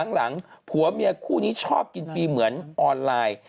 หลังผัวเมียคู่นี้ชอบกินฟรีเหมือนออนไลน์